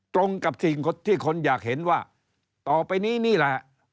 ตรงกับสิ่งที่คนอยากเห็นว่าต่อไปนี้นี่แหละ